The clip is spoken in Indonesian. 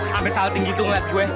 sampai salting gitu ngeliat gue